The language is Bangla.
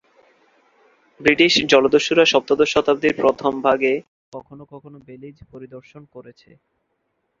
ব্রিটিশ জলদস্যুরা সপ্তদশ শতাব্দীর প্রথম ভাগে কখনো কখনো বেলিজ পরিদর্শন করেছে।